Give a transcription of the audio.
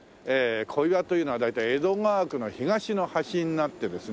小岩というのは大体江戸川区の東の端になってですね。